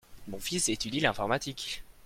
Mon fils étudie l'informatique.